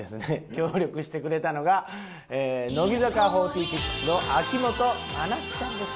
協力してくれたのが乃木坂４６の秋元真夏ちゃんです。